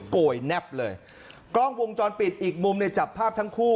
โกยแนบเลยกล้องวงจรปิดอีกมุมเนี่ยจับภาพทั้งคู่